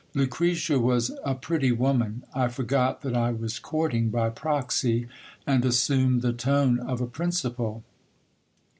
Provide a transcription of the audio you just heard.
Lucretia was a pretty woman. I forgot that I was courting by proxy, and assumed the tone of a principal.